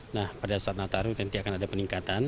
nah pada saat natal itu tentu akan ada peningkatan